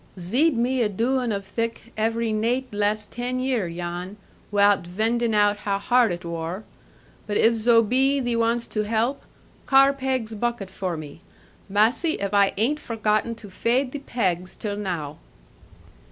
'Zeed me adooing of thic, every naight last ten year, Jan, wiout vindin' out how hard it wor. But if zo bee thee wants to help, carr peg's bucket for me. Massy, if I ain't forgotten to fade the pegs till now.'